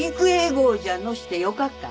号じゃのしてよかっか？